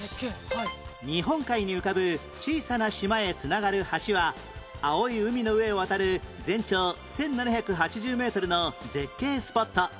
日本海に浮かぶ小さな島へ繋がる橋は青い海の上を渡る全長１７８０メートルの絶景スポット